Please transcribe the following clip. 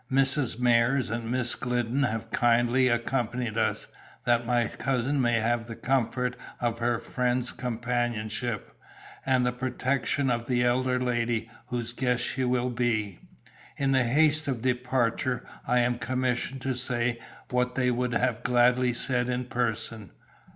Mrs. Myers and Miss Glidden have kindly accompanied us, that my cousin may have the comfort of her friends' companionship, and the protection of the elder lady, whose guest she will be. In the haste of departure I am commissioned to say what they would have gladly said in person.